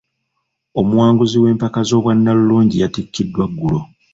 Omuwanguzi w'empaka z'obwannalulungi yatikkiddwa ggulo.